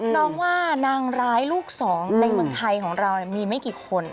น้องว่านางร้ายลูกสองในเมืองไทยของเรามีไม่กี่คน